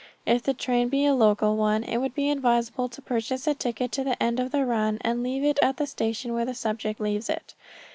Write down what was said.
If the train be a local one it would be advisable to purchase a ticket to the end of the run and leave it at the station where the subject leaves it.